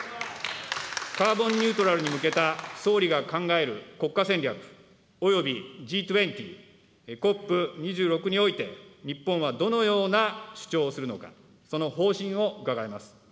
カーボンニュートラルに向けた総理が考える国家戦略、およびＧ２０、ＣＯＰ２６において、日本はどのような主張をするのか、その方針を伺います。